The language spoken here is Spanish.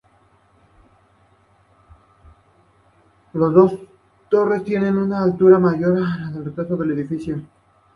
Las dos torres tienen una altura mayor que el resto del edificio.